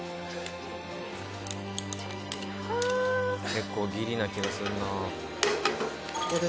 結構ギリな気がするな。